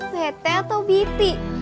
bete atau biti